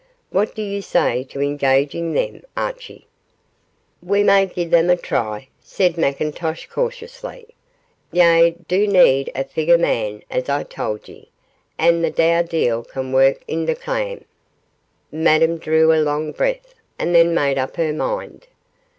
'What do you say to engaging them, Archie?' 'We ma gie them a try,' said McIntosh, cautiously. 'Ye do need a figger man, as I tauld ye, and the dour deil can wark i' the claim.' Madame drew a long breath, and then made up her mind.